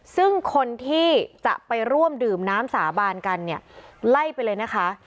ซึ่งคนที่จะไปร่วมดื่มน้ำสาบานกันเนี่ยไล่ไปเลยนะคะ